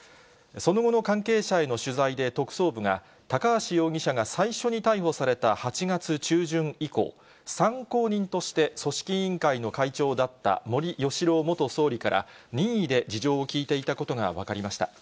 その後の関係者への取材で特捜部が、高橋容疑者が最初に逮捕された８月中旬以降、参考人として組織委員会の会長だった森喜朗元総理から、任意で事情を聴いていたことが分かりました。